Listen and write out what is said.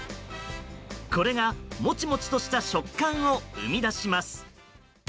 これが、モチモチとした食感を生み出します。